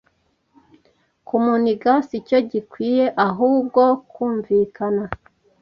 kumuniga sicyo gikwiye ahubwo kumvikana